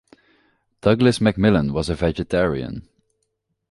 Douglas Macmillan was a vegetarian.